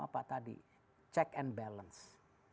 apa tadi check and balance